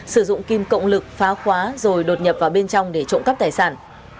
sử dụng kim cộng lực phá khóa rồi đột nhập vào bên trong để trộm cắp tài sản